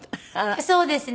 そうですね。